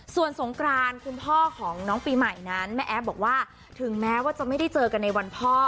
ส่วนสงกรานคุณพ่อของน้องปีใหม่นั้นแม่แอฟบอกว่าถึงแม้ว่าจะไม่ได้เจอกันในวันพ่อ